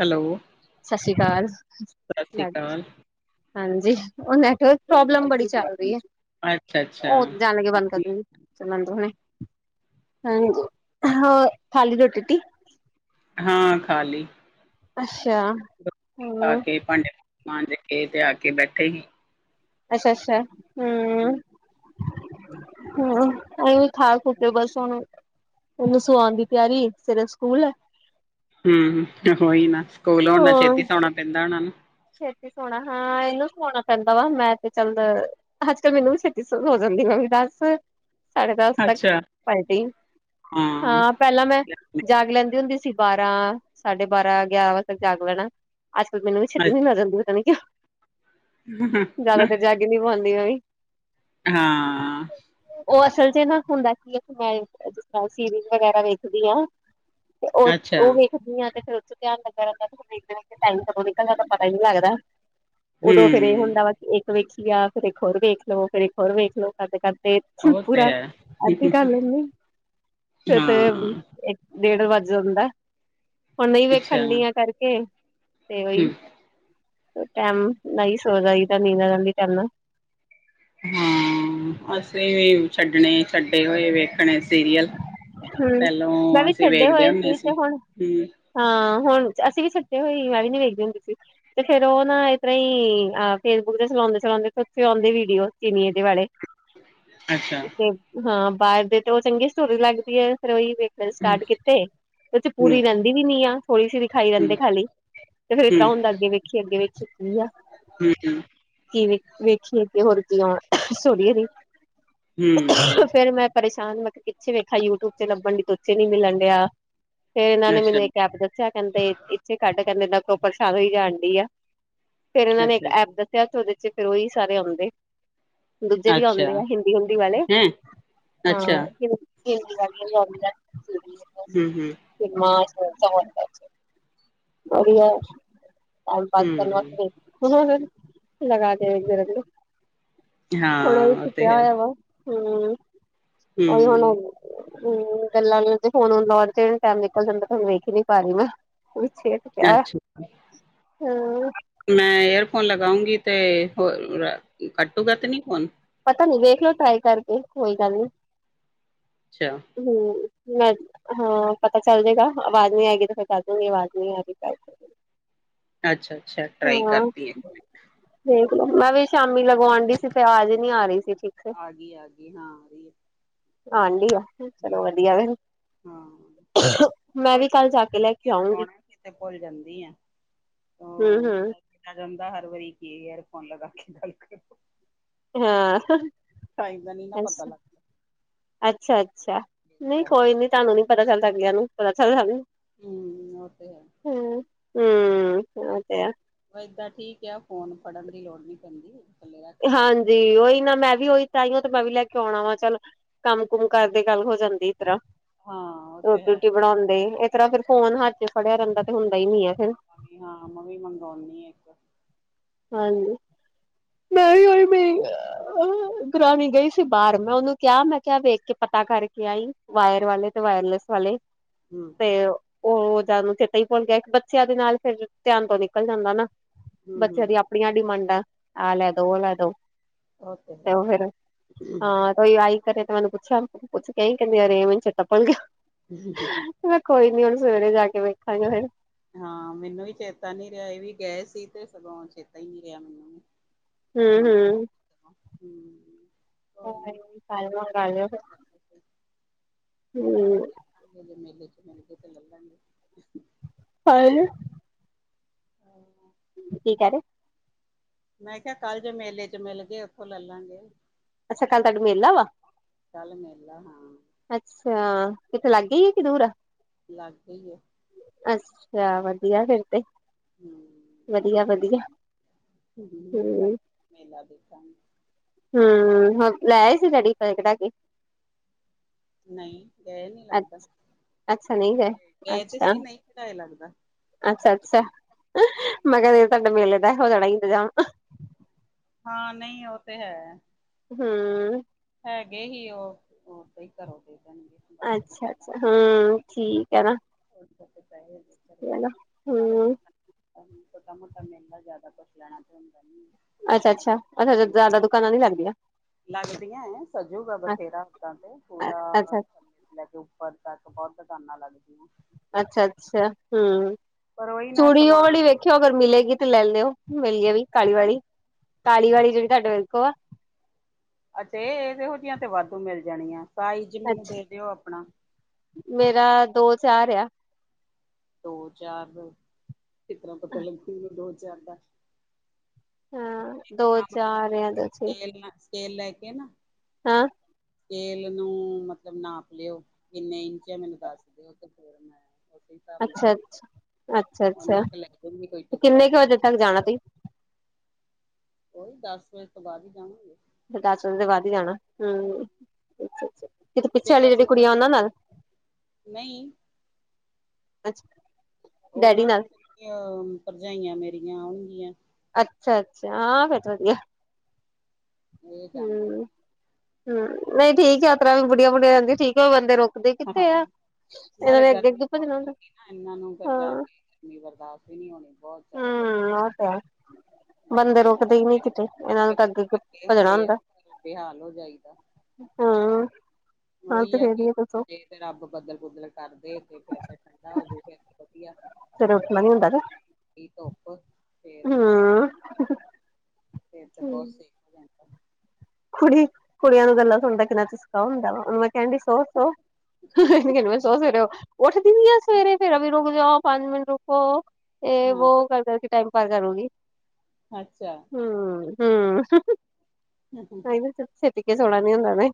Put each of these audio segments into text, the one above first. Hello. ਸਤਿ ਸ੍ਰੀ ਅਕਾਲ। ਸਤਿ ਸ੍ਰੀ ਅਕਾਲ। ਹਾਂਜੀ, ਉਹ ਨੈਟਵਰਕ ਪ੍ਰੋਬਲਮ ਬੜੀ ਚੱਲ ਰਹੀ ਐ, ਅੱਛਾ-ਅੱਛਾ, ਉਹ ਜਾਣ ਲੱਗੇ ਬੰਦ ਕਰ ਦੇ। ਬੰਦ ਹੋਣੇ, ਹਾਂਜੀ, ਹੋਰ ਖਾਲੀ ਰੋਟੀ ਰਟੀ ਹਾਂ ਖਾਲੀ। ਅੱਛਾ। ਆ ਹਮ ਕੇ ਭਾਂਡੇ- ਭੂਡੇ ਮਾਂਜ ਕੇ ਤੇ ਆ ਕੇ ਬੈਠੇ ਹੀ। ਅੱਛਾ -ਅੱਛਾ। ਹੂੰ। ਹਾਂ, ਉਹ। ਖਾਂ - ਖੂ ਕੇ ਬਸ ਹੁਣ, ਉਹ ਨੂੰ ਸਵਾਉਣ ਦੀ ਤਿਆਰੀ ਐ, ਸਵੇਰੇ ਸਕੂਲ ਹੂੰ, ਉਹੀ ਨਾ ਸਕੂਲ ਹੋਣ ਨਾਲ ਹਾਂ ਛੇਤੀ ਸੌਣਾ ਪੈਂਦਾ ਉਹਨਾ ਨੂੰ। ਛੇਤੀ ਸੋਣਾ ਹਾਂ ਇਹਨੂੰ ਸੋਣਾ ਪੈਂਦਾ ਵਾ, ਮੈਂ ਤੇ ਚੱਲ ਅੱਜ -ਕੱਲ੍ਹ ਮੈਨੂੰ ਵੀ ਛੇਤੀ ਸੋ ਸ਼ੁਰੂ ਹੋ ਜਾਂਦੀ ਵ ਵੀ ਦਸ ਸਾਢੇ ਦਸ ਤੱਕ, ਅੱਛਾ, ਪਾਲਟੀ, ਹਾਂ। ਪਹਿਲਾਂ ਮੈਂ ਜਾਗ ਲੈਂਦੀ ਹੁੰਦੀ ਸੀ ਬਾਰਾਂ, ਸਾਢੇ ਬਾਰਾਂ, ਗਿਆਰਾਂ ਵਜੇ ਤੱਕ ਜਾਗ ਲੈਣਾ। ਅੱਜ ਕੱਲ੍ਹ ਕਿੰਨੇ ਵਜੇ? ਨੀਂਦ ਆ ਜਾਂਦੀ ਪਤਾ ਨੀ ਕਿਉਂ, ਜਿਆਦਾ ਅੱਛਾ, ਦੇਰ ਜਾਗ ਨੀ ਪਾਉਂਦੀ ਮੈਂ ਵੀ। ਹਾਂ। ਉਹ ਅਸਲ 'ਚ ਹੁੰਦਾ ਕੀ, ਮੈਂ ਜਿਸ ਤਰ੍ਹਾਂ ਸੀਰੀਜ਼ ਵਗੈਰਾ ਵੇਖਦੀ ਆ। ਤੇ ਉਹ, ਅੱਛਾ, ਉਹ ਵੇਖਦੀ ਆ ਤੇ ਫਿਰ ਉਹ 'ਚ ਧਿਆਨ ਲੱਗਿਆ ਰਹਿੰਦਾ, ਟਾਇਮ ਬਗੈਰਾ ਕਦੋਂ ਨਿਕਲ ਜਾਂਦਾ। ਪਤਾ ਹੀ ਨਹੀਂ ਲੱਗਦਾ, ਉਦੋਂ ਫੇਰ ਇਹ ਹੂੰ, ਹੁੰਦਾ ਵਾ ਕਿ ਵੇਖਿਆ ਫਿਰ ਇੱਕ ਹੋਰ ਵੇਖਲੋ, ਫਿਰ ਇੱਕ ਹੋਰ ਵੇਖ ਲੋ, ਕਰਦੇ -ਕਰਦੇ ਫਿਰ ਉਹ ਤੇ ਪੂਰਾ, ਹੈ। ਅੱਧਾ ਕਰ ਲੈਂਦੇ ਫਿਰ ਤੇ, ਹਾਂ, ਇੱਕ ਡੇਢ ਵੱਜ ਜਾਂਦਾ, ਹੁਣ ਨਹੀਂ ਅੱਛਾ। ਵੇਖਣ ਡੀਆਂ ਕਰਕੇ, ਤੇ ਹੂੰ, ਉਹੀ ਟਾਈਮ, ਨਾਲ ਸੋ ਜਾਈਦਾ ਦਾ ਨੀਂਦ ਆ ਜਾਂਦੀ, ਟੈਮ ਨਾਲ। ਹਾਂ, ਅਸੀਂ ਵੀ ਛੱਡਣੇ ਛੱਡੇ ਹੋਏ ਵੇਖਣੇ ਸੀਰੀਅਲ। ਹੂੰ ਮੈਂ ਪਹਿਲੋਂ ਵੀ ਅਸੀਂ ਛੱਡੇ ਵੇਖਦੇ ਹੋਏ ਹੁੰਦੇ ਤੇ ਸੀ, ਹੁਣ ਹਮ। ਹਾਂ, ਹੁਣ ਅਸੀਂ ਵੀ ਛੱਡੇ ਹੋਏ, ਮੈਂ ਵੀ ਨੀ ਵੇਖਦੀ ਹੁੰਦੀ ਸੀ। ਤੇ ਫੇਰ ਉਹ ਨਾ ਇਸ ਤਰ੍ਹਾਂ ਈ, ਫੇਸਬੁੱਕ ਤੇ ਚਲਾਉਂਦੇ- ਚਲਾਉਂਦੇ ਉੱਥੇ ਆਉਂਦੇ ਵੀਡੀਓ ਚੀਨੀਏ ਦੇ ਵਾਲੇ ਅੱਛਾ। ਤੇ ਹਾਂ ਬਾਹਰ ਦੇ ਤੇ ਉਹ ਚੰਗੀ ਸਟੋਰੀ ਲੱਗਦੀ ਏ, ਫਿਰ ਉਹੀ ਵਖ ਫਿਰ ਸਟਾਰਟ ਕੀਤੇ, ਉਹ 'ਚ ਹੂੰ, ਪੂਰੀ ਰਹਿੰਦੀ ਵੀ ਨੀ ਆ, ਥੋੜੀ ਸੀ ਦਿਖਾਈ ਹੂੰ, ਰਹਿੰਦੇ ਖਾਲੀ ਤੇ ਫਿਰ ਹੂੰ, ਅੱਗੇ ਵੇਖੀ, ਅੱਗੇ ਵਿਚ ਕੀ ਆ। ਠੀਕ ਐ। ਕੀ ਵ ਵੇਖੀਏ ਤੇ ਹੋਰ ਕੀ ਆਉਣਾ [unintelligible] ਹੂੰ, ਤੇ ਫੇਰ ਮੈਂ ਪਰੇਸ਼ਾਨ ਮੈਂਖਿਆ ਅਸੀਂ ਵੇਖਿਆ ਯੂਟਿਊਬ ਤੇ ਲੱਬਣ ਉੱਥੇ ਨੀ ਮਿਲਣ ਡਿਆ ਫਿਰ ਇਹਨਾਂ ਨੇ ਅੱਛਾ, ਮੈਨੂੰ ਇੱਕ ਐਪ ਦੱਸਿਆ ਕਹਿੰਦੇ ਇੱਥੇ ਕੱਢ ਕਹਿੰਦੇ ਨਾ ਕੋ ਪਰੇਸ਼ਾਨ ਹੋਈ ਜਾਣ ਡਈ ਆ। ਫਿਰ ਇਹਨਾਂ ਨੇ ਇੱਕ ਅੱਛਾ, ਐਪ ਅੱਛਾ। ਦੱਸਿਆ ਜੋ ਉਹਦੇ ਫਿਰ ਉਹੀ ਸਾਰੇ ਆਉਂਦੇ। ਦੂਜੇ ਵੀ ਅੱਛਾ, ਆਉਂਦੇ ਆ ਹਿੰਦੀ ਹੁੰਦੀ ਵਾਲੇ ਹੈਂ, ਹਾਂ ਅੱਛਾ, [inaudible] ਹੂੰ ਹੂੰ [inaudible] ਬੜੀਆ ਟਾਈਮ ਪਾਸ ਕਰ ਹੂੰ। [inaudible] ਹੁਣ ਉਹੀ ਹਾਂ, ਉਹ ਤੇ ਸੁੁੱਟਿਆ ਹੈ, ਹੋਇਆ ਵਾ ਹੂੰ ਉਹੀ ਹੁਣ ਹੂੰ, ਹਮ ਗੱਲਾਂ ਵਿੱਚ ਫੋ਼ਨ ਲਾਉਣ ਚ ਟੈਮ ਨਿਕਲ ਜਾਂਦਾ ਤੁਹਾਨੂੰ ਵੇਖ ਹੀ ਨੀ ਪਾ ਰਹੀ ਮੈਂ [inaudible] [unintelligible] ਹੂੰ ਮੈਂ ਏਅਰਫੋਨ ਲਗਾਉਂਗੀ ਤੇ ਹੋ ਕੱਟੂਗਾ ਤੇ ਨੀ ਫੋ਼ਨ? ਪਤਾ ਨੀ ਵੇਖਲਓ ਟਰਾਈ ਕਰਕੇ ਕੋਈ ਗੱਲ ਨੀ ਅੱਛਾ। ਹੂੰ ਮ ਹਾਂ ਪਤਾ ਚੱਲ ਜੇਗਾ ਆਵਾਜ਼ ਨਹੀਂ ਆਏਗੀ ਤਾਂ ਫਿਰ ਕਰ ਦੂੰਗੀ ਆਵਾਜ਼ ਨਹੀਂ ਆਗੀ ਅੱਛਾ-ਅੱਛਾ ਟਰਾਈ ਕਰਤੀ ਇੱਕ ਮਿੰਟ ਵੇਖ ਲੋ ਮੈਂ ਵੀ ਸ਼ਾਮੀ ਲਗਉਣ ਡਈ ਸੀ ਤੇ ਅਵਾਜ਼ ਨੀ ਆ ਰਹੀ ਸੀ ਠੀਕ ਸੇ ਆ ਗਈ ਆ ਗਈ ਹਾਂ ਰਹੀ ਆਉਣ ਡਈ ਆ ਹੈ। ਚਲੋ ਵਧੀਆ ਹਾਂ, ਫੇਰ ਮੈਂ ਉਹੀ ਵੀ ਕੱਲ ਭੁੱਲ ਜਾ ਕੇ ਲੈ ਜਾਂਦੀ ਕੇ ਆ ਆਊਂਗੀ। ਲਗਾਉਣਾ ਸੀ ਤੇ ਭੁੱਲ ਜਾਂਦੀ ਹੂੰ ਹੂੰ ਕਿਆ ਜਾਂਦਾ ਹਰ ਵਾਰੀ ਕੀ ਏਅਰਫੋ਼ਨ ਲਗਾ ਕੇ ਗੱਲ ਕਰੋ। ਹਾਂ। ਟਾਈਮ ਦਾ ਨੀ ਨਾ ਪਤਾ ਅੱਛਾ, ਲੱਗਦਾ। ਅੱਛਾ-ਅੱਛਾ ਇਸ ਨਹੀਂ ਕੋਈ ਕਰਕੇ ਨੀ ਤੁਹਾਨੂੰ ਨੀ ਪਤਾ ਚੱਲਦਾ ਅਗਲਿਆਂ ਨੂੰ ਪਤਾ ਚੱਲਦਾ ਸਾਨੂੰ ਹੂੰ ਉਹ ਤੇ ਹੈ। ਹੂੰ ਹੂੰ ਉਹ ਤੇ ਐ। ਵ ਏਦਾਂ ਠੀਕ ਆ ਫੋ਼ਨ ਫੜਨ ਦੀ ਲੋੜ ਨੀ ਪੈਂਦੀ। ਥੱਲੇ ਰੱਖ ਕੇ ਗੱਲ ਹਾਂਜੀ ਕਰ ਉਹੀ ਨਾ ਮੈਂ ਵੀ ਉਹੀ ਤਾਈਉ ਤੇ ਮੈਂ ਵੀ ਲੈ ਕੇ ਆਉਣਾ ਵਾ ਚੱਲ ਕੰਮ ਕੁਮ ਕਰਦੇ ਗੱਲ ਹੋ ਜਾਂਦੀ ਇਸ ਤਰ੍ਹਾਂ ਹਾਂ ਉਹ ਤੇ ਹੈ ਰੋਟੀ-ਰੁਟੀ ਬਣਾਦੇ ਤਰ੍ਹਾਂ ਫੋ਼ਨ ਹੱਥ ਚ ਫੜਿਆ ਰਹਿੰਦਾ ਤੇ ਹੁੰਦਾ ਈ ਨੀ ਐ ਫਿਰ ਮੰਮੀ ਹਾਂ ਮੈਂ ਵੀ ਮੰਗਾਉਨੀ ਆ ਇੱਕ ਹਾਂਜੀ, ਮੈਂ ਕਿਤੇ ਵੀ ਉਹੀ ਮੇਰੀ ਹਮ ਦੁਰਾਣੀ ਗਈ ਸੀ ਹਮ ਬਾਹਰ ਮੈਂ ਉਹਨੂੰ ਕਿਆ ਮੈਂ ਕਿਹਾ ਵੇਖ ਕੇ ਪਤਾ ਕਰਕੇ ਆਈ ਵਾਇਰ ਵਾਲੇ ਤੇ ਵਾਇਰਲੈਸ ਵਾਲੇ ਤੇ ਉਹ ਜਦਾ ਨੂੰ ਚੇਤਾ ਹੀ ਭੁੱਲ ਗਿਆ ਇੱਕ ਬੱਚਿਆਂ ਦੇ ਨਾਲ ਫਿਰ ਧਿਆਨ ਤੋਂ ਨਿਕਲ ਜਾਂਦਾ ਨਾ 'ਚ ਹਮ ਆਪਣੀਆਂ ਡਿਮਾਂਡਾਂ ਆਹ ਲੈ ਦੋ ਉਹ ਲੈ ਦੋ ਉਹ 'ਤੇ ਹੈ ਉਹ ਫਿਰ ਹਾਂ ਆਈ ਘਰੇ 'ਤੇ ਮੈਨੂੰ ਪੁੱਛਿਆ ਪੁੱਛ ਕੇ ਕਹਿੰਦੇ ਯ [unintelligible] ਹਮ ਹ। 'ਚ' ਕੋਈ ਨੀ ਹੁਣ ਸਵੇਰੇ ਜਾ ਕੇ ਵੇਖਾਂਗੇ ਫਿਰ। ਹਾਂ, ਮੈਨੂੰ ਵੀ ਚੇਤਾ ਨੀ ਰਿਹਾ ਇਹ ਵੀ ਗਏ ਸੀ 'ਤੇ ਸਗੋਂ ਚੇਤਾ ਹੀ ਨੀ ਰਿਹਾ ਮੈਨੂੰ ਵੀ ਹਮ, ਮੰਗਵਾਉਣ ਹਮ। ਹਮ। ' ਕੋਈ ਨੀ [unintelligible] ਕੱਲ੍ਹ ਦੇਖਾਂਗੇ ਜ ਮੇਲੇ 'ਚ' ਮਿਲ ਕੇ 'ਤੇ ਲੱਲਾਂਗੇ। ' [unintelligible] ਕੋਈ ਨਾ। ਕੀ ਕਹਿ ਰਹੇ। ਮੈਂ ਕਿਹਾ ਕੱਲ੍ਹ ਜੇ ਮੇਲੇ 'ਚ' ਮਿਲਗੇ ਉੱਥੋਂ ਲੈ ਲਾਂਗੇ। ਅੱਛਾ, ਕੱਲ੍ਹ ਤੁਹਾਡੇ ਮੇਲਾ ਵਾ ਕੱਲ੍ਹ ਮੇਲਾ ਹਾਂ। ਅੱਛਾ, ਕਿੱਥੇ ਲਾਗੇ ਈ ਆ ਕਿ ਦੂਰ ਆ? ਲਾਗੇ ਈ ਆ। ਅੱਛਾ, ਵਧੀਆ ਫਿਰ 'ਤੇ ਹੂੰ ਵਧੀਆ-ਵਧੀਆ ' [inaudible] ' ਕੱਲ ਹਮ। ਮੇਲਾ ਦੇਖਾਂਗੇ। ਹਮ, ਲੈ ਆਏ ਸੀ ਡੈਡੀ ਪੈਸੇ ਕੱਢਾ ਕੇ ਨਹੀਂ, ਗਏ ਨੀ ਲੱਗਦਾ ' [inaudible] ਅੱਛਾ ਨਹੀਂ ਗਏ ' ਗਏ 'ਤੇ ਸੀ ਨਹੀਂ ਕਢਾਏ ਲੱਗਦਾ। ਅੱਛਾ-ਅੱਛਾ ਮੈਂ ਕਿਹਾ ਫਿਰ ਤੁਹਾਡੇ ਮੇਲੇ ਦਾ ਹੋ ਜਾਣਾ ਹੀ ਇੰਤਜ਼ਾਮ ਹਾਂ, ਨਹੀਂ ਉਹ 'ਤੇ ਹੈ। ਹਮ। ਹੈਗੇ ਹੀ ਉਹ, ਨਹੀਂ ਘਰੋਂ ਦੇ ਦੇਣਗੇ। ਬਾਅਦ ਚ ਅੱਛਾ-ਅੱਛਾ ਹਮ, ਠੀਕ ਐ ਨਾ। ਹੋਰ ਪੈਸੇ ਪੈ ਜਾਂਦੇ। ਹਣਾ, ਹਮ। ਛੋਟਾ-ਮੋਟਾ ਮੇਲਾ ਜਿਆਦਾ ਕੁੱਛ ਲੈਣਾ 'ਤੇ ਹੁੰਦਾ ਨੀ। ਅੱਛਾ-ਅੱਛਾ, ਅੱਛਾ, ਜ਼ਿਆਦਾ ਦੁਕਾਨਾਂ ਨੀ ਲੱਗਦੀਆਂ' ' [inaudible] ਹੈਂ, ਸਜੂਗਾ ਬਥੇਰਾ ਉਦਾਂ 'ਤੇ ਪੂਰਾ ਅੱਛਾ ਥੱਲੇ ਤੋਂ ਲੈ ਕੇ ਉੱਪਰ ਤੱਕ ਬਹੁਤ ਦੁਕਾਨਾਂ ਲੱਗਦੀਆਂ। ਅੱਛਾ-ਅੱਛਾ, ਹਮ। ਪਰ ਉਹੀ ਨਾ ਚੂੜੀ ਉਹ ਸਮਾਨ ਵਾਲੀ ਵੇਖਿਓ ਅਗਰ ਮਿਲੇਗੀ 'ਤੇ ਲੈ ਲਿਓ ਮੇਰੇ ਲੀ ਵੀ ਕਾਲੀ ਵਾਲੀ ਕਾਲੀ ਵਾਲੀ ਜਿਹੜੀ ਤੁਹਾਡੇ ਵਾਲੀ ਆ ਕੋਲ ਅੱਛਾ, ਇਹ-ਇਹ ਇਹੋ ਜਿਹੀਆਂ 'ਤੇ ਵਾਧੂ ਮਿਲ ਜਾਣੀਆਂ, ਸਾਈਜ਼ ਮੈਨੂੰ ਅੱਛਾ ਦੇ ਦਿਓ ਆਪਣਾ ਮੇਰਾ ਦੋ, ਚਾਰ ਆ। ਦੋ, ਚਾਰ ' [inaudible] ' ਕਿਸ ਤਰ੍ਹਾਂ ਪਤਾ ਲੱਗੂ ਦੋ, ਚਾਰ ਦਾ ਹਾਂ ਇੱਕ ਦੋ ਕੰਮ ਚਾਰ ਕਰਿਓ ਆ ' [inaudible] ਦੋ ' ਛੇ ਸਕੇਲ ਨਾ, ਸਕੇਲ ਲੈ ਕੇ ਨਾ ਹਾਂ। ਸਕੇਲ ਨੂੰ, ਮਤਲਬ, ਨਾਪ ਲਿਓ ਕਿੰਨੇ ਇੰਚ ਆ ਮੈਨੂੰ ਦੱਸ ਦਿਓ। 'ਤ ਹੋਰ ਮੈਂ ਉਸੇ ਹਿਸਾਬ ਨਾਲ ਅੱਛਾ-ਅੱਛਾ, ਅੱਛਾ-ਅੱਛਾ ਉਹਨਾਂ ਕੁ ਲੈ ਜੂਗੀ ਕੋਈ 'ਤੇ ਟੁਕੜਾ ਕਿੰਨੇ ਕ ਤੇ ਵਜੇ ਨਾ ਤੱਕ ਜਾਣਾ ਤੁਸੀਂ? ਉਹੀ ਦੱਸ ਵਜੇ ਤੋਂ ਬਾਅਦ ਹੀ ਜਾਵਾਂਗੇ। ਫਿਰ ਦੱਸ ਵਜੇ ਤੋਂ ਬਾਅਦ ਹੀ ਜਾਣਾ ਹਮ, ਅੱਛਾ-ਅੱਛਾ। ਕਿ ਪਿੱਛੇ ਵਾਲੀ ਸੇਵਾ ਜਿਹੜੀ ਸੁਵਾ ਕੁੜੀਆਂ ਉਹਨਾਂ ਨਾਲ' ' [inaudible] ' ' ਨਹੀਂ [unintelligible] ਉਹਨਾਂ ਨਾਲ ਭਰਜਾਈਆਂ ਮੇਰੀਆਂ ਆਉਣਗੀਆਂ ਅੱਛਾ -ਅੱਛਾ, ਹਾਂ ਫੇਰ ਤਾਂ ਵਧੀਆ। ਇਹ ਜਾਂਦੇ ਨੇ ਹਮ, ਹਮ ਨਹੀਂ ਠੀਕ ਯਾਤਰਾ ਵੀ ਬੁੜੀਆਂ -ਬੁੜੀਆਂ ਜਾਂਦੀਆ, ਠੀਕ ਹੈ ਬੰਦੇ ਰੋਕ ਹਾਂ, ਨਾਲੇ ਗਰਮੀ ਅੱਗੇ ਬਹੁਤ ਭੱਜਣਾ ਹੁੰਦਾ ਹੁੰਦੀ ਨਾ ਇਹਨਾਂ ਨੂੰ ਜਾ ਹਾਂ ਕੇ ਨੀ ਬਰਦਾਸ਼ਤ ਵੀ ਨਹੀਂ ਹੋਣੀ, ਬਹੁਤ ਜ਼ਿਆਦਾ ਗਰਮੀ। ਹਮ ਉਹ ਤੇ ਹੈ ਬੰਦੇ ਉਹ ਰੁਕਦੇ ਹੀ ਨਹੀਂ ਕਿਤੇ, ਇਹਨਾਂ ਨੇ ਪੱਕੇ ਤਾਂ ਅੱਗੇ- ਪੁੱਕੇ ਅੱਗੇ ਲੱਗੇ ਭੱਜਣਾ ਹੁੰਦੇ ਆ ਹੁੰਦਾ। ਬੇਹਾਲ ਹੋ ਜਾਈਦਾ ਹਾਂ, ਹਾਂ ਉਹੀ ਤੇ ਆ ਫਿਰ ਕਿ ਜੇ ਤੇ ਰੱਬ ਬੱਦਲ ਬੁਦਲ ਕਰਦੇ, ਤੇ ਫੇਰ ਤੇ ਠੰਡਾ ਹੋਜੂ, ਫਿਰ ਵਧੀਆ ਇਸ ਤਰ੍ਹਾਂ ਨੀਂ ਹੁੰਦਾ। ਕੀ ਧੁੱਪ, ਫੇਰ ਮਸ ਹੂੰ ਫਿਰ ਤੇ ਬਹੁਤ ਸਹੀ। ਕੁੜੀ, ਕੁੜੀਆਂ ਨੂੰ ਗੱਲਾਂ ਸੁਣਦਾ ਕਿੰਨਾ ਚਸਕਾ ਹੁੰਦਾ ਵਾ, ਉਹਨੂੰ ਮੈਂ ਕਹਿਣ ਡ ਸੋ ਸੋ ਹ ਮ ਸੋ ਸਰੇ ਉੱਠਦੀ ਨੀਂ ਆ ਸਵੇਰੇ ਫਿਰ ਵੀ ਰੁਕ ਜਾਓ, ਪੰਜ ਮਿੰਟ ਰੁਕੋ। ਇਹ ਹਾਂ ਵੋ ਕਰਦੇ ਕੇ ਟਾਈਮ ਪਾ ਕਰੂਗੀ। ਅੱਛਾ। ਹਮ, ਹਮ। ਨਹੀਂ ਛੇਤੀ ਕੇ ਸੋਣਾ ਨੀ ਹੁੰਦਾ ਨਾ,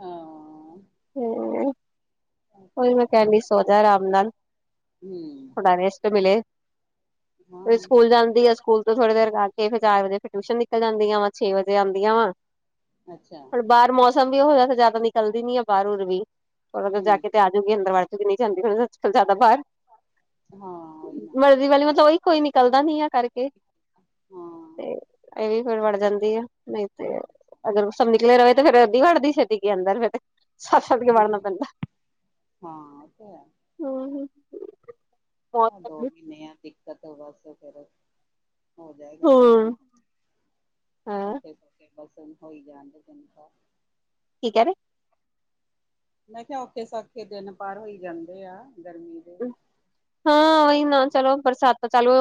ਹਾਂ [unintelligible] ਹਮ ਉਹ ਤੇ ਉਹੀ ਮੈਂ ਕਹਿੰਦੀ, ਸੋਂਜਾ ਆਰਾਮ ਨਾਲ। ਹਮ। ਥੋੜਾ ਰੈਸਟ ਮਿਲ, ਹਾਂ ਸਕੂਲ ਜਾਂਦੀ ਆ, ਸਕੂਲ ਤੋਂ ਥੋੜੀ ਦੇਰ ਗ ਤੇ ਫਿਰ ਚਾਰ ਵਜੇ ਫੇਰ ਟਿਊਸ਼ਨ ਨਿਕਲ ਜਾਂਦੀਆਂ ਵਾ, ਛੇ ਵਜੇ ਆਉਂਦੀਆਂ ਵਾ। ਅੱਛਾ। ਹੁਣ ਬਾਹਰ ਮੌਸਮ ਵੀ ਉਹ ਜਿਹਾ ਜ਼ਿਆਦਾ ਨਿਕਲਦੀ ਨੀ ਹੈ, ਬਾਹਰ ਬੁਹਰ ਵੀ ਥੋੜਾ ਜ ਹੂੰ, ਜਾ। ਕੇ ਤੇ ਆਜੂਗੀ ਅੰਦਰ ਚ ਵੀ ਨਹੀਂ ਜਾਂਦੀ, ਅੱਜਕੱਲ ਜ਼ਿਆਦਾ ਬਾਹਰ ਹਾਂ ਉਹੀ ਨਾ। ਗਰਮੀ ਵਾਲੀ ਮਤਲਬ, ਉਹੀ ਕੋਈ ਨਿਕਲਦਾ ਨੀ ਆ ਕਰਕੇ। ਹਾਂ, ਤੇ ਇਹ ਵੀ ਫਿਰ ਵੜ ਜਾਂਦੀ ਆ, ਨਹੀਂ ਤੇ ਅਗਰ ਸਭ ਨਿਕਲੇ ਰਹੇ ਤਾਂ ਫੇਰ ਅੱਧੀ ਵੜਦੀ ਛਟੀ ਕੇ ਅੰਦਰ, ਫਿਰ ਸੱਦ- ਸੱਦ ਕੇ ਵਾੜਨਾ ਹੂੰ, ਪੈਂਦਾ। ਹਾਂ, ਉਹ ਤੇ ਹੈ। ਹਮ। ਹਾਂ ਦੋ ਮਹੀਨੇ ਆ ਦਿੱਕਤ, ਬਸ ਫਿਰ ਹੋ ਜਾਏਗਾ ਠੀਕ, ਹਮ ਓ ਹਾਂ [unintelligible] ਬਸ ਹੋਈ ਜਾਣਦੇ ਤਨ ਠੀਕ ਹੈ। ਮੈਂ ਕਿਹਾ ਔਖੇ- ਸੌਖੇ ਦਿਨ ਪਾਰ ਹੋਈ ਜਾਂਦੇ ਆ, ਗਰਮੀ ਦੇ ਹਾਂ ਉਹਹੀ ਨਾ ਚਲੋ, ਬਰਸਾਤ ਤਾਂ ਚਾਲੂ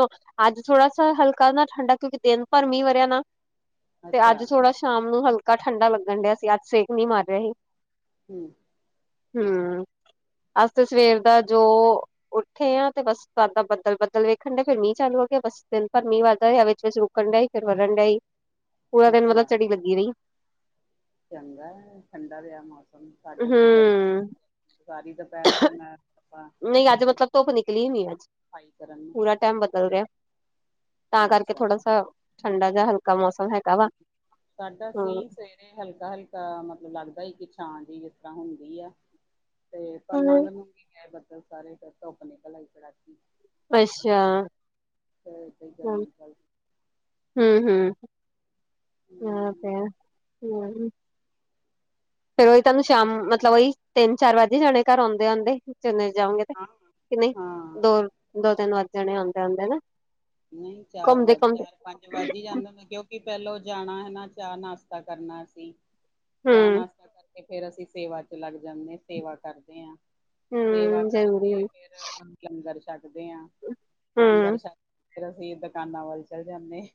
ਅੱਜ ਥੋੜ੍ਹਾ ਸਾ, ਹਲਕਾ ਨਾ, ਠੰਡਾ, ਦਿਨ ਭਰ ਮੀਂਹ ਵਰ੍ਹਿਆ ਨਾ। ਤੇ ਅੱਛਾ। ਅੱਜ ਥੋੜਾ ਸ਼ਾਮ ਨੂੰ ਹਲਕਾ ਠੰਢਾ ਲੱਗਣ ਡਹਾ ਸੀ, ਅੱਜ ਸੇਕ ਨਹੀਂ ਮਾਰ ਰਿਹਾ ਸੀ। ਹਮ। ਹਮ, ਅਸ ਸਵੇਰ ਦਾ ਜੋ ਉੱਠੇ ਆ, ਤੇ ਬਸ ਸਾਦਾ ਬਦਲ- ਬੱਦਲ ਵੇਖਣ ਡ, ਫੇਰ ਮੀਹ ਚਾਲੂ ਹੋ ਗਿਆ, ਬਸ ਦਿਨ ਪਰ ਮੀਂਹ ਵੱਦਾ ਰਿਹਾ ਵਿੱਚ ਚੱਕਣ ਡਿਆ, ਫਿਰ ਵਰਣ ਡਿਆਈ, ਪੂਰਾ ਦਿਨ ਮਤਲਬ ਅੱਛਾ ਚੜੀ ਲੱਗੀ ਰਹੀ। ਚੰਗਾ, ਠੰਡਾ ਰਿਹਾ ਮੌਸਮ, ਸਾਡੇ ਤੇ ਹੂੰ ਗਰਮੀ, ਸਾਰੀ ਦੁਪਹਿਰ ਤੇ ਮੈਂ ਆਪਾਂ ਨਹੀਂ ਅੱਜ ਮਤਲਬ ਧੁੱਪ ਨਿਕਲੀ ਨ ਅੱਜ, ਸਫਾਈ ਕਰਨ ਪੂਰਾ ਟਾਈਮ ਬਦਲ ਰਿਹਾ। ਤਾਂ ਨੂੰ ਕਰਕੇ ਅੱਛਾ ਥੋੜਾ ਸ, ਠੰਡਾ ਜਾਂ ਹਲਕਾ ਮੌਸਮ ਹੈ। ਸਾਡਾ ਸੀ। ਤੇ ਹਲਕਾ- ਹਲਕਾ ਮਤਲਬ ਲੱਗਦਾ ਹੀ, ਕਿ ਛਾਂ ਜ ਜਿਸ ਤਰ੍ਹਾਂ ਹੁੰਦੀ ਆ। ਤੇ ਨੂੰ ਗੀ ਹੈ ਬਲ ਸਾਰੇ ਧੁੱਪ ਨੇ ਨਿਕਲ ਕੜਾਕੀ ਅੱਛਿਆ' ' ਤੇ ਏਦਾਂ ਹੀ [unintelligible] ਗਰਮੀ ਚੱਲ ਪਈ ਹੂੰ-ਹੂੰ ਕਿਹਾ ਹਮ, ਤੇ ਹੈ, ਉਹੀ। ਫੇਰ ਉਹੀ ਤੁਹਾਨੂੰ ਸ਼ਾਮ ਮਤਲਬ ਉਹੀ ਤਿੰਨ, ਚਾਰ ਵੱਜ ਜਾਣੇ ਘਰ ਆਉਂਦੇ-ਆਉਂਦੇ। ਚੰਨੇ ਜਾਉਗੇ ਤੇ, ਹਾਂ ਕਿ ਨਹੀਂ ਹਾਂ ਦੋ-ਦੋ, ਤਿੰਨ ਵੱਧ ਜਾਣੇ ਆਂਦੇ- ਆਂਦੇ ਨਾ। ਨਹੀਂ, ਚਾਰ ਘੁੰਮਦੇ ਵੱਜ ਘੁੰਮਦੇ ਚਾਰ, ਪੰਜ ਵੱਜ ਹੀ ਜਾਂਦੇ ਕਿਉਂ। ਕੀ ਪਹਿਲੋਂ ਜਾਣਾ ਹਨਾ, ਚਾਹ ਨਾਸ਼ਤਾ ਕਰਨਾ ਅਸੀ, ਚਾਹ ਹੂੰ, ਨਾਸ਼ਤਾ ਕਰ। ਤੇ ਫੇਰ ਅਸੀਂ ਸੇਵਾ 'ਚ' ਲੱਗ ਜਾਂਨੇ ਆ। ਸੇਵਾ ਕਰਦੇ ਆ, ਸੇਵਾ ਹੂੰ ਜ਼ਰੂਰੀ ਕਰਕੇ ਹੂੰ, ਫੇਰ ਲੰਗਰ 'ਚ' ਛੱਕਦੇ ਆ, ਲੰਗਰ ਹੂੰ। ਛੱਕ ਕੇ ਫੇਰ ਅਸੀਂ ਦੁਕਾਨਾਂ ਵੱਲ ਚਲੇ ਜਾਂਣੇ ਆ।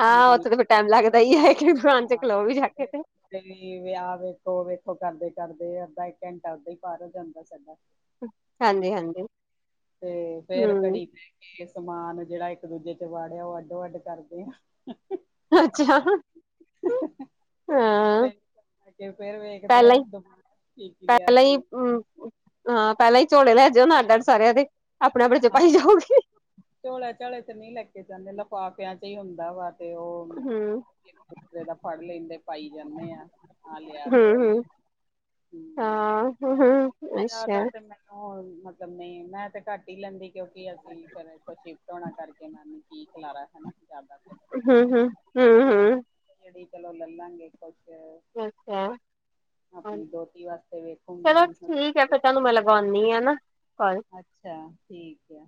ਹਾਂ, ਉੱਥੇ ਤੇ ਫਿਰ ਟਾਈਮ ਲੱਗਦਾ ਹੀ ਹੈ। ਕਿ ' [unintelligible] ' ਖਲੋ ਵੀ ਜਾ ਕੇ ਤੇ। ਬਈ ਵਿਆਹ ਵੇਖੋ-ਵੇਖੋ ਕਰਦੇ-ਕਰਦੇ ਅੱਧਾ ਘੰਟਾ ਉਦਾਂ ਹੀ ਵੱਧ ਜਾਂਦਾ ਸਾਡਾ। ਹਾਂਜੀ-ਹਾਂਜੀ। ਤੇ ਫੇਰ ਹੂੰ, ਘੜੀ ਤੇ ਕਿ ਸਮਾਨ ਜਿਹੜਾ ਇੱਕ ਦੂਜੇ 'ਚ' ਵਾੜਿਆ ਉਹ ਅੱਡੋ-ਅੱਡ ਕਰ ਦੇਣ। ਅੱਛਿਆ, ਹਾਂ। ਅਤੇ ਫੇਰ ਵੇਖਦੇ ਪਹਿਲਾਂ ਆ, ਹੀ ਦੁਬਾਰਾ ਕੀ-ਕੀ ਲਿਆ ਪਹਿਲਾਂ ਹੀ ਸੀ। ਹੂੰ ਹਾਂ, ਪਹਿਲਾਂ ਹੀ ਝੋਲੇ ਲੈ ਜੋ ਨਾ ਅੱਡ - ਅੱਡ ਸਾਰਿਆਂ ਦੇ, ਆਪਣੇ-ਆਪਣੇ 'ਚ' ਪਾਈ ਜਾਉਗੇ। ਝੋਲੇ-ਝਾਲੇ ਤਾਂ ਨਹੀਂ ਲੈ ਕੇ ਜਾਂਦੇ, ਲਿਫ਼ਾਫਿਆ 'ਚ' ਹੀ ਹੁੰਦਾ ਵਾ। ਤੇ ਉਹ ਹੂੰ, ਕਿਸੇ ਦਾ ਫੜ ਲੈਂਦੇ ਪਾਈ ਜਾਂਨੇ ਆ, ਆਹ ਲਿਆ ਤੇ ਉਹ ਲਿਆ। ਹੂੰ-ਹੂੰ। ਹੂੰ ਹਾਂ, ਹੁੰ-ਹੁੰ। ਜ਼ਿਆਦਾ ਤੇ ਮੈਂ ਉਹ ਮਤਲਬ ਨਹੀਂ, ਮੈਂ ਤੇ ਘੱਟ ਹੀ ਲੈਂਨੀ ਕਿਉਂਕਿ ਅਸੀਂ ਫੇਰ ਇਥੋਂ ਸ਼ਿਫਟ ਹੋਣਾ ਕਰਕੇ ਮੈਂ ਕੀ ਖਿਲਾਰਾ ਹਨਾ, ਜਿਆਦਾ ਤਰ। ਹੂੰ-ਹੂੰ, ਹੂੰ-ਹੂੰ। ਰੇੜੀ ਕੋਲੋ ਲੈਲਾ ਗੇ, ਕੁਛ। ਅੱਛਾ। ਆਪਣੀ ਧੋਤੀ ਵਾਸਤੇ ਚਲੋ ਵੇਖੂਗੀ ਹੁ। ਠੀਕ ਹੈ ਫਿਰ ਤੁਹਾਨੂੰ ਮੈਂ ਲਗਾਉਂਨੀ ਆ ਨਾ, ਕੋਲ। ਅੱਛਾ, ਠੀਕ ਐ।